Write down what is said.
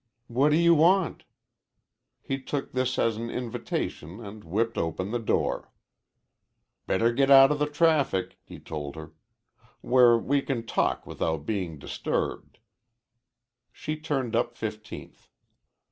"What do you want?" He took this as an invitation and whipped open the door. "Better get out of the traffic," he told her. "Where we can talk without being disturbed." She turned up Fifteenth.